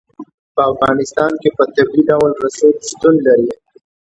په افغانستان کې په طبیعي ډول رسوب شتون لري.